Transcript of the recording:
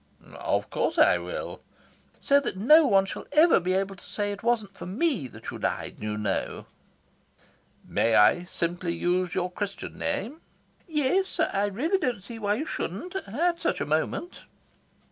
"Of course I will." "So that no one shall ever be able to say it wasn't for me that you died, you know." "May I use simply your Christian name?" "Yes, I really don't see why you shouldn't at such a moment."